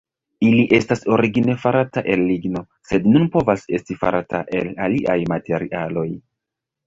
Ili estas origine farata el ligno, sed nun povas esti farata el aliaj materialoj.